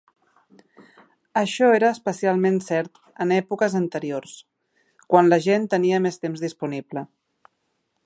Això era especialment cert en èpoques anteriors, quan la gent tenia més temps disponible.